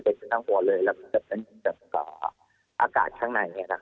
เป็นตั้งหัวเลยแล้วก็อากาศข้างใน